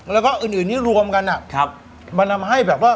แล้วก็อื่นที่รวมกันมันทำให้แบบว่า